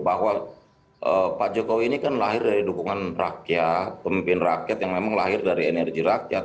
bahwa pak jokowi ini kan lahir dari dukungan rakyat pemimpin rakyat yang memang lahir dari energi rakyat